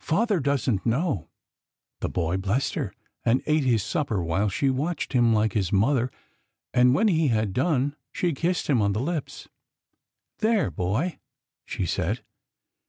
Father doesn't know." The boy blessed her and ate his supper while she watched him like his mother and when he had done she kissed him on the lips. " There, boy !" she said.